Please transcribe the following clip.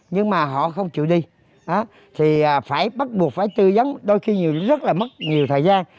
nhưng mà họ không chịu đi thì phải bắt buộc phải tư dấn đôi khi rất là mất nhiều thời gian